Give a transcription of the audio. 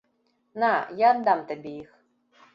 На, я аддам табе іх.